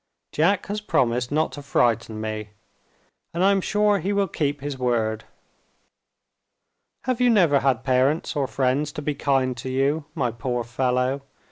"Jack has promised not to frighten me; and I am sure he will keep his word. Have you never had parents or friends to be kind to you, my poor fellow?"